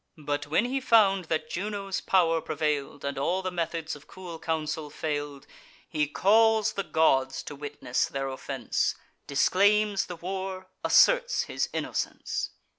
But, when he found that Juno's pow'r prevail'd, And all the methods of cool counsel fail'd, He calls the gods to witness their offence, Disclaims the war, asserts his innocence.